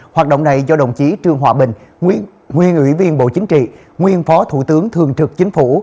hoạt động này do đồng chí trương hòa bình nguyên ủy viên bộ chính trị nguyên phó thủ tướng thường trực chính phủ